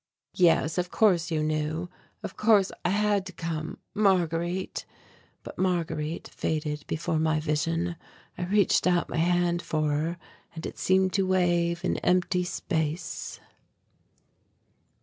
"Yes, of course you knew. Of course, I had to come Marguerite " But Marguerite faded before my vision. I reached out my hand for her and it seemed to wave in empty space....